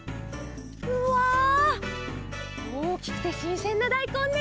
うわおおきくてしんせんなだいこんね。